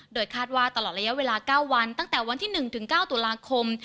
โดยคาดว่าตลอดระยะเวลา๙วันตั้งแต่วันที่๑ถึง๙ตุลาคม